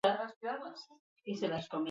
Eusebio Sizilian hil zen handik gutxira.